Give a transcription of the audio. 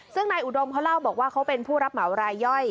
ซึ่งนายอุดมเขาเล่าบอกว่าเขาเป็นผู้รับเหมารายย่อย